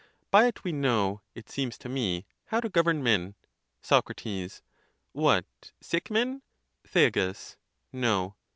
By it we know, it seems to me, how to govern men. Soc. What, sick men? Thea. No.